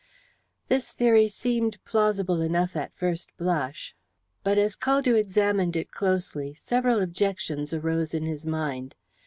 This theory seemed plausible enough at first blush, but as Caldew examined it closely several objections arose in his mind.